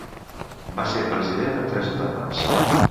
Va ser president en tres etapes.